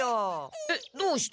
えっどうして？